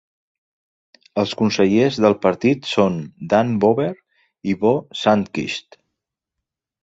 Els consellers del partit són Dan Boberg i Bo Sandquist.